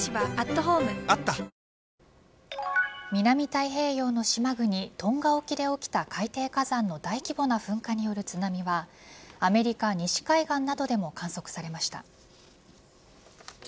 南太平洋の島国トンガ沖で起きた海底火山の大規模な噴火による津波はアメリカ西海岸などでも観測されました。